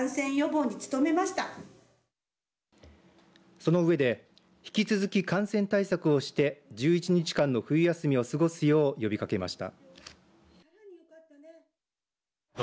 その上で引き続き感染対策をして１１日間の冬休みを過ごすよう呼びかけました。